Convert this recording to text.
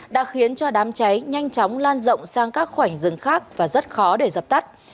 đã khiến cho đám cháy nhanh chóng lan rộng sang các khoảnh rừng khác và rất khó để dập tắt